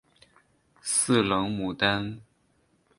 四棱牡丹